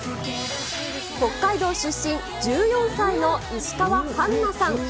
北海道出身、１４歳の石川花さん。